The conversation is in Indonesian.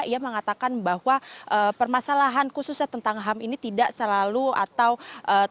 ia mengatakan bahwa permasalahan khususnya tentang ham ini tidak selalu atau tidak